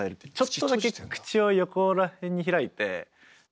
ちょっとだけ口を横ら辺に開いて。